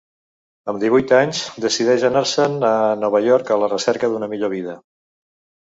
Amb divuit anys decideix anar-se'n a Nova York a la recerca d'una millor vida.